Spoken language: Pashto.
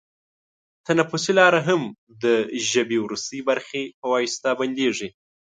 تنفسي لاره هم د ژبۍ وروستۍ برخې په واسطه بندېږي.